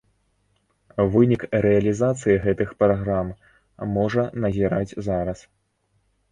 Вынік рэалізацыі гэтых праграм можа назіраць зараз.